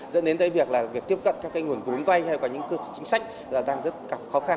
dẫn đến tới việc tiếp cận các nguồn vốn vay hay những chính sách đang rất khó khăn